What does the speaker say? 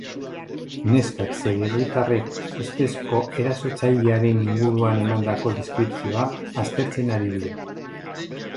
Neskak zein herritarrek ustezko erasotzailearen inguruan emandako deskripzioa aztertzen ari dira.